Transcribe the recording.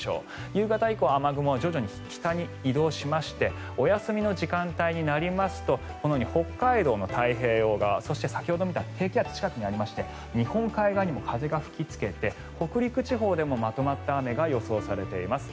夕方以降は雨雲は徐々に北に移動しましてお休みの時間帯になりますとこのように北海道の太平洋側そして低気圧こちらにもありまして日本海側にも風が吹きつけて北陸地方でもまとまった雨が予想されています。